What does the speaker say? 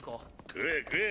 食え食え！